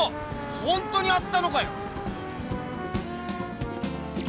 ほんとにあったのかよ！